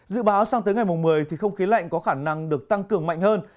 dự báo sang tới ngày một mươi thì không khí lạnh có khả năng được tăng cường mạnh hơn